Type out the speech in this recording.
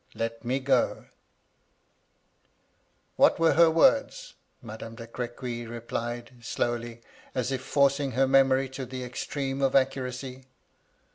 Let me go I' "*What were her words?' Madame de Crequy repUed, slowly, as if forcing her memory to the extreme of accuracy.